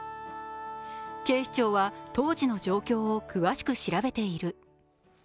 警視庁は当時の状況を詳しく調べている。